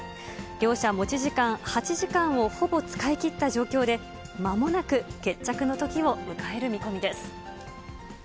両者、持ち時間８時間をほぼ使いきった状況で、まもなく決着のときを迎える見込みです。